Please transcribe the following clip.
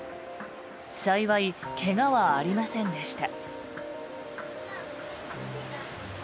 幸い、怪我はありませんでした。